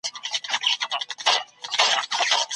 موږ به د خولې په الفاظو حساب ورکوو.